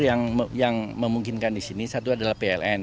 ada dua sumber yang memungkinkan di sini satu adalah pln